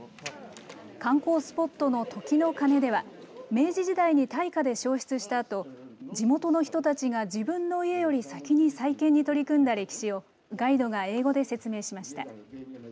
観光スポットの、時の鐘では明治時代に大火で焼失したあと地元の人たちが自分の家より先に再建に取り組んだ歴史をガイドが英語で説明しました。